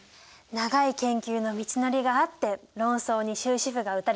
長い研究の道のりがあって論争に終止符が打たれたわけね。